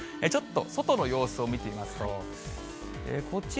ちょっと外の様子を見てみましょう。